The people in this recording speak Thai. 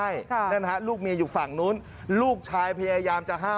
แล้วอ้างด้วยว่าผมเนี่ยทำงานอยู่โรงพยาบาลดังนะฮะกู้ชีพที่เขากำลังมาประถมพยาบาลดังนะฮะ